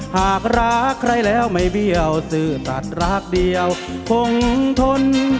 หากรักใครแล้วไม่เบี้ยวซื่อตัดรักเดียวคงทน